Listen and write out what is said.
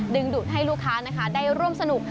ดึงดูดให้ลูกค้านะคะได้ร่วมสนุก